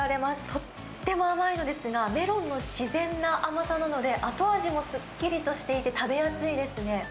とっても甘いのですが、メロンの自然な甘さなので、後味もすっきりとしていて食べやすいですね。